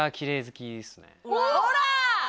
ほら！